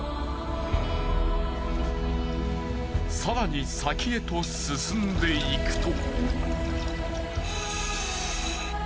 更に先へと進んでいくと。